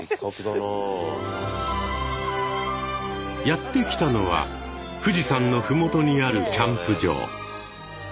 やって来たのは富士山の麓にあるキャンプ場。